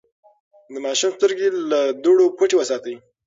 د ماشوم سترګې له دوړو پټې وساتئ.